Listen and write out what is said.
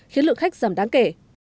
khiến lượng khách giảm đáng kể